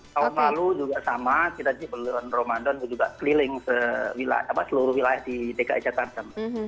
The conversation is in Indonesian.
tahun lalu juga sama kita di bulan ramadan juga keliling seluruh wilayah di dki jakarta